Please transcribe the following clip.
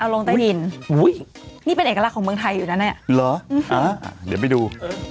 เอาลงใต้ดินอุ้ยนี่เป็นเอกลักษณ์ของเมืองไทยอยู่แล้วเนี่ยหรออืมฮะอ่าเดี๋ยวไปดู